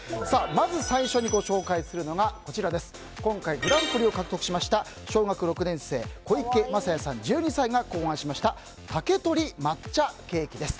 まず最初にご紹介するのが今回、グランプリを獲得しました小学６年生、小池諒哉さん１２歳が考案しました竹取抹茶ケーキです。